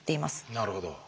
なるほど。